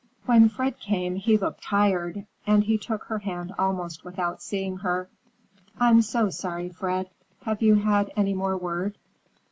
When Fred came, he looked tired, and he took her hand almost without seeing her. "I'm so sorry, Fred. Have you had any more word?"